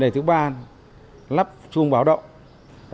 thứ ba là lắp chuông báo động